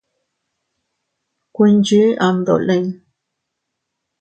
Kuinchi am dolin.